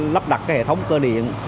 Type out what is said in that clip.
lắp đặt hệ thống cơ điện